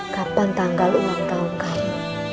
kapan tanggal ulang tahun kami